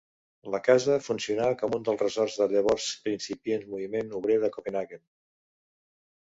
La casa funcionà com un dels ressorts del llavors incipient moviment obrer de Copenhaguen.